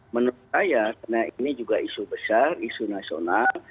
menurut saya karena ini juga isu besar isu nasional